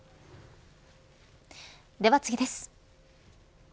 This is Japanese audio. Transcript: では次です。